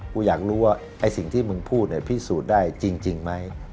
กูอยากรู้ว่าไอ้สิ่งที่มึงพูดพิสูจน์ได้จริงไหม